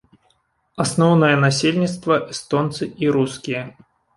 Асноўнае насельніцтва эстонцы і рускія.